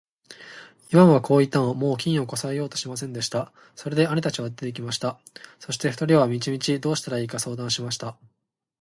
イワンはこう言って、もう金をこさえようとはしませんでした。それで兄たちは出て行きました。そして二人は道々どうしたらいいか相談しました。